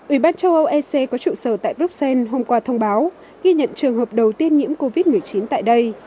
ủy ban châu âu ec có trụ sở tại bruxelles hôm qua thông báo ghi nhận trường hợp đầu tiên nhiễm covid một mươi chín tại đây